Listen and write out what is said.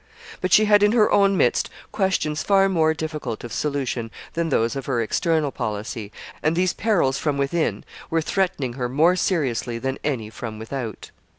But she had in her own midst questions far more difficult of solution than those of her external policy, and these perils from within were threatening her more seriously than any from without.